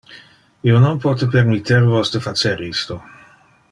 Io non pote permitter vos de facer isto.